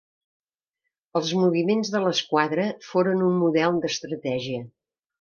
Els moviments de l'esquadra foren un model d'estratègia.